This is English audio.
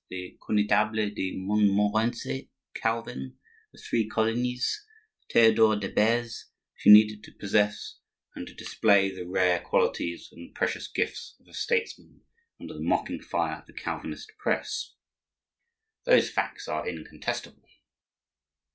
the Connetable de Montmorency, Calvin, the three Colignys, Theodore de Beze, she needed to possess and to display the rare qualities and precious gifts of a statesman under the mocking fire of the Calvinist press. Those facts are incontestable.